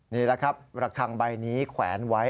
นี่แหละครับระคังใบนี้แขวนไว้